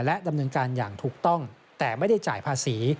และดำเนินการอย่างถูกต้องแต่ไม่ได้จ่ายภาษี